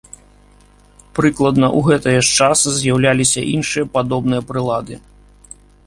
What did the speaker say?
Прыкладна ў гэтае ж час з'яўляліся іншыя падобныя прылады.